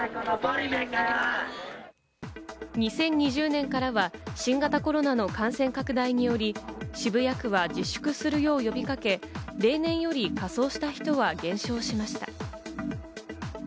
２０２０年からは新型コロナの感染拡大により、渋谷区は自粛するよう呼びかけ、例年より仮装した人は減少しました。